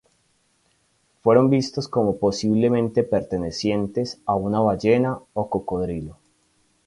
Fueron vistos como posiblemente pertenecientes a una ballena o cocodrilo.